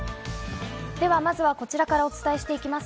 まずはこちらからお伝えします。